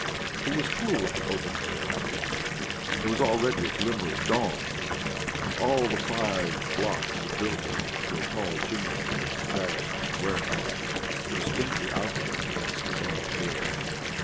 It was cool in the open air; there was already a glimmer of dawn, and all the five blocks of buildings, with their tall chimneys, barracks, and warehouses, were distinctly outlined against the damp air.